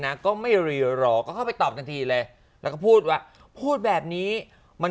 นะก็ไม่รีรอก็เข้าไปตอบทันทีเลยแล้วก็พูดว่าพูดแบบนี้มัน